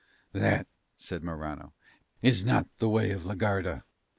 "That," said Morano, "is not the way of la Garda.